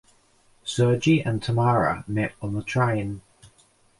Sergey and Tamara met on the train.